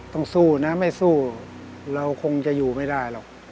สู้นะไม่สู้เราคงจะอยู่ไม่ได้หรอก